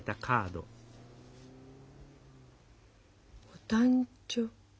「お誕生」。